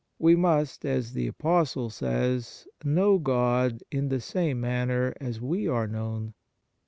We must, as the Apostle says, know God in the same manner as we are known.